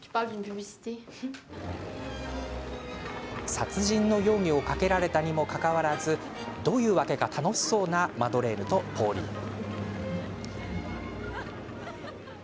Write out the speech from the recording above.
殺人の容疑をかけられたにもかかわらずどういうわけか楽しそうなマドレーヌとポーリーヌ。